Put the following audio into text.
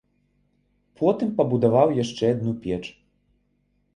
Потым пабудаваў яшчэ адну печ.